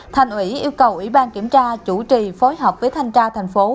thành ủy yêu cầu ủy ban kiểm tra chủ trì phối hợp với thanh tra thành phố